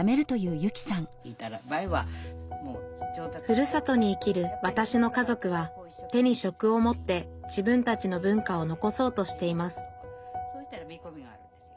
ふるさとに生きるわたしの家族は手に職を持って自分たちの文化を残そうとしています